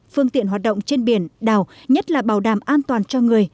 phương tiện hoạt động trên biển đảo nhất là bảo đảm an toàn cho người